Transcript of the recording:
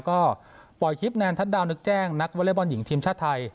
ก็ปล่อยคลิปแนนทัศดาวนึกแจ้งนักวอเล็กบอลหญิงทีมชาติไทย